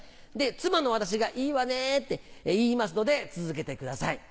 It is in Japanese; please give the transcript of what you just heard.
妻の私が「いいわね」って言いますので続けてください。